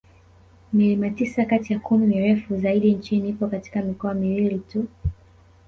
Milima tisa kati ya kumi mirefu zaidi nchini ipo katika mikoa miwili tu